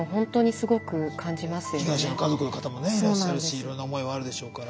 被害者の家族の方もねいらっしゃるしいろんな思いはあるでしょうから。